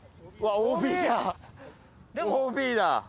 ＯＢだ。